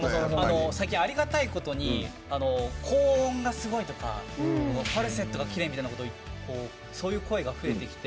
最近ありがたいことに高音がすごいとかファルセットがきれいみたいなそういう声が増えてきて。